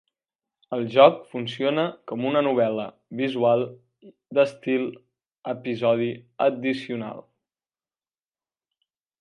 El joc funciona com una novel·la visual d'estil "episodi addicional".